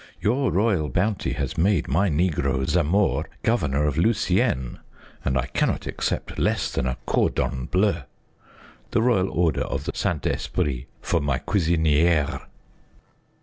Your royal bounty has made my negro, Zamore, governor of Luciennes, and I cannot accept less than a cordon bleu " (the Royal Order of the Saint Esprit) " for my cuisiniere."